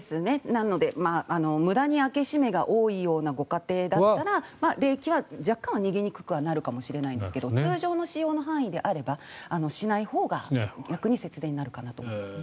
なので無駄に開け閉めが多いようなご家庭だったら冷気は若干は逃げにくくなるかもしれませんが通常の使用の範囲であればしないほうが逆に節電になるかなと思います。